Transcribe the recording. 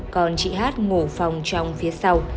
còn chị hát ngủ phòng trong phía sau